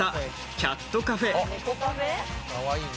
かわいいね。